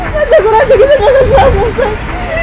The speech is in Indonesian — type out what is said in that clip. mas aku rasa kita gak akan selamat mas